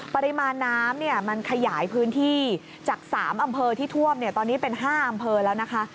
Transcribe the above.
ปริมาณน้ำมันขยายพื้นที่จาก๓อำเภอที่ท่วมตอนนี้เป็น๕อำเภอแล้วนะคะ